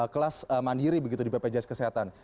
kelas mandiri begitu di bpjs kesehatan